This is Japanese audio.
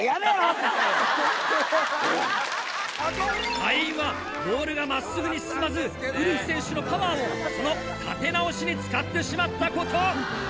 敗因はロールが真っすぐに進まずウルフ選手のパワーをその立て直しに使ってしまったこと。